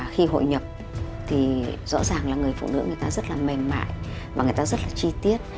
khi hội nhập thì rõ ràng là người phụ nữ người ta rất là mềm mại và người ta rất là chi tiết